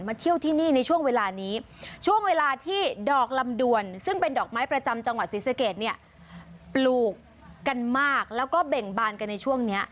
เที่ยวที่นี่ในช่วงเวลานี้ช่วงเวลาที่ดอกลำดวนซึ่งเป็นดอกไม้ประจำจังหวัดศรีสะเกดเนี่ยปลูกกันมากแล้วก็เบ่งบานกันในช่วงนี้